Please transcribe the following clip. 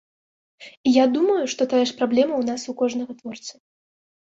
І я думаю, што тая ж праблема ў нас у кожнага творцы.